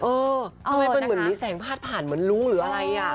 ทำไมมันเหมือนมีแสงพาดผ่านเหมือนรู้หรืออะไรอ่ะ